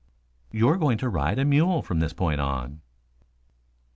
"You're going to ride a mule from this point on."